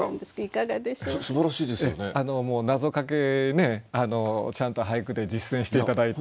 なぞかけねちゃんと俳句で実践して頂いて。